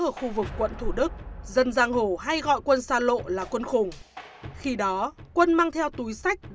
ở khu vực quận thủ đức dân giang hồ hay gọi quân xa lộ là quân khủng khi đó quân mang theo túi sách